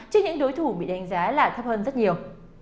trước những đối thủ bị đánh giá là thấp hơn rất nhiều